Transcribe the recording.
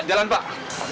pak jalan pak